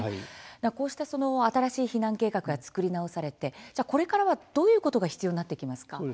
こうした新しい避難計画が作り直されて、これからはどういうことが必要になってきますか。